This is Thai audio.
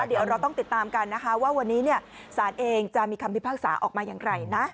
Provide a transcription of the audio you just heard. เดี๋ยวเราต้องติดตามกันนะคะว่าวันนี้ศาลเองจะมีคำพิพากษาออกมาอย่างไรนะ